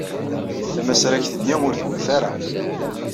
Tamasragt-nni ur twata ara.